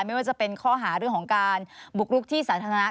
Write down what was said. ไม่ว่าจะเป็นข้อหาเรื่องของการบุกรุกที่สาธารณะ